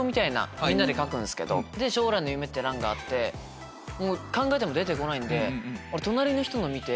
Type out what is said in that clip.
表みんなで書くんすけど将来の夢っていう欄があって考えても出て来ないんで。